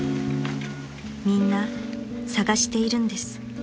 ［みんな探しているんです］